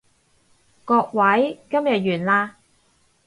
各位，今日完啦